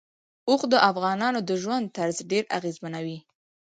اوښ د افغانانو د ژوند طرز ډېر اغېزمنوي.